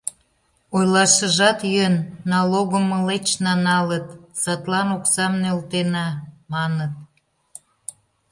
Ойлашыжат йӧн: «Налогым мылечна налыт, садлан оксам нӧлтена», — маныт.